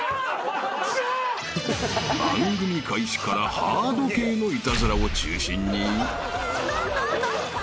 ［番組開始からハード系のイタズラを中心に］